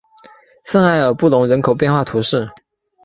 圣埃尔布隆人口变化图示